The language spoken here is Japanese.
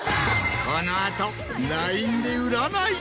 この後ＬＩＮＥで占い。